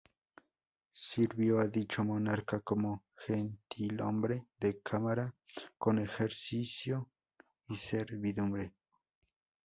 Sirvió a dicho monarca como gentilhombre de cámara con ejercicio y servidumbre.